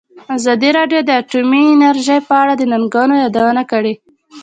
ازادي راډیو د اټومي انرژي په اړه د ننګونو یادونه کړې.